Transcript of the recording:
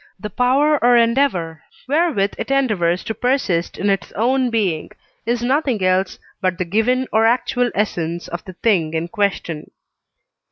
the power or endeavour, wherewith it endeavours to persist in its own being, is nothing else but the given or actual essence of the thing in question.